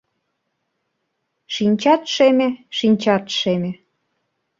Шинчат шеме, шинчат шеме